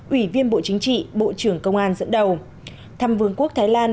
ủy viên bộ chính trị bộ trưởng công an dẫn đầu thăm vương quốc thái lan